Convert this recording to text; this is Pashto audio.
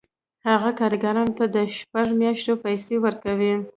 هغه کارګرانو ته د شپږو میاشتو پیسې ورکوي